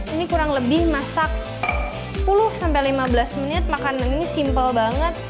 ini kurang lebih masak sepuluh sampai lima belas menit makanan ini simple banget